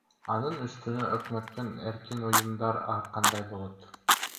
Анын үстүнө өкмөттөн эркин уюмдар ар кандай болот.